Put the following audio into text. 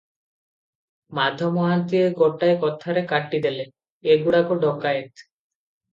ମାଧ ମହାନ୍ତିଏ ଗୋଟାଏ କଥାରେ କାଟିଦେଲେ -ଏ ଗୁଡ଼ାକ ଡକାଏତ ।